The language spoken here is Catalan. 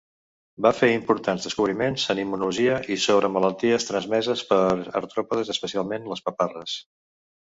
Va fer importants descobriments en immunologia i sobre malalties transmeses per artròpodes especialment les paparres.